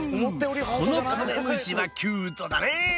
このカメムシはキュートだね！